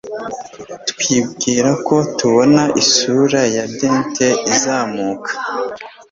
Twibwira ko tubona isura ya Dante izamuka